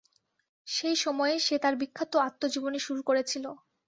সেই সময়েই সে তার বিখ্যাত আত্মজীবনী শুরু করেছিল।